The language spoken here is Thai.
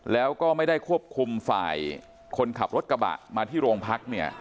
แล้วก็ไม่ได้ควบคุมฝ่ายคนขับรถกระบะมาที่โรงพักเนี่ย